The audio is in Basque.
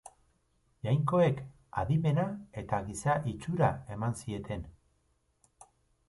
Jainkoek adimena eta giza itxura eman zieten.